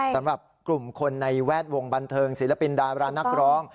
สำหรับกลุ่มคนในแวดวงบันเทิงศิลปินดารานักร้อง